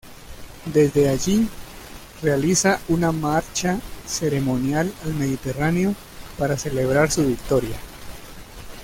Desde allí realiza una marcha ceremonial al Mediterráneo para celebrar su victoria.